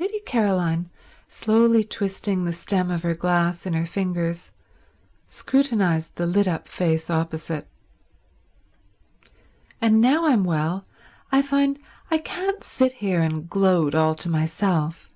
Lady Caroline, slowly twisting the stem of her glass in her fingers, scrutinized the lit up face opposite. "And now I'm well I find I can't sit here and gloat all to myself.